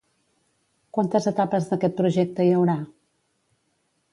Quantes etapes d'aquest projecte hi haurà?